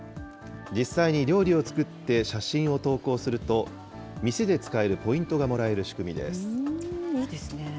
実際に料理を作って写真を投稿すると、店で使えるポイントがもらえる仕組みです。